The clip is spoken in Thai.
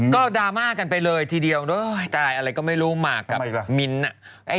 ก็ดรามากกันไปเลยทีเดียวใจอะไรก็ไม่รู้มากกับผักบอกว่า